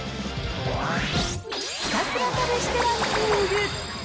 ひたすら試してランキング。